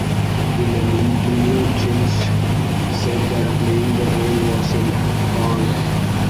In an interview, Jentsch said that playing the role was an honour.